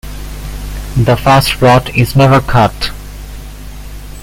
The first plot is never cut.